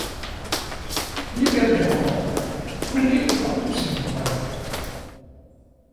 นี่เป็นตัวอย่างของ คุณจะคิดเกี่ยวกับทุกสิ่งอย่างไร